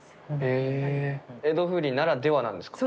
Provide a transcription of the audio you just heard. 江戸風鈴ならではなんですか？